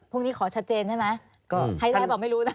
พรุ่งนี้ขอชัดเจนใช่ไหมใครบอกไม่รู้นะ